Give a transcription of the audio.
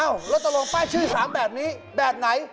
เอ้าเราต้องลงป้ายชื่อสารแบบนี้แบบไหน